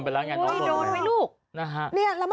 เห่ยหนีมาม่